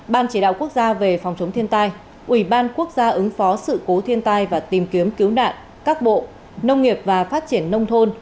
ban chỉ đạo quốc gia về phòng chống thiên tai ubnd ứng phó sự cố thiên tai và tìm kiếm cứu nạn các bộ nông nghiệp và phát triển nông thôn